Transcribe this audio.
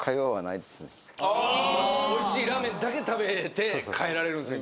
おいしいラーメンだけ食べて帰られるんですね